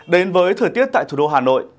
đến với thời tiết tại thủ đô hà nội